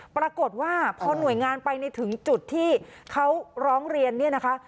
ปรากฏว่าพอหน่วยงานไปในถึงจุดที่เขาร้องเรียนเนี่ยนะคะ